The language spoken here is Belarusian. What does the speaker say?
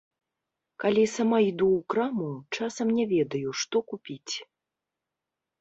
Калі сама іду ў краму, часам не ведаю, што купіць.